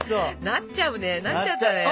なっちゃうねなっちゃったね